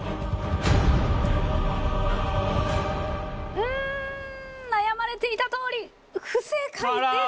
うん悩まれていたとおり不正解です。